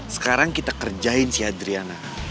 sekarang kita kerjain si adriana